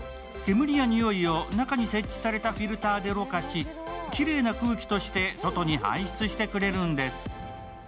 煙や臭いを中に設置されたフィルターでろ過し、きれいな空気として外に排出してくれるんです。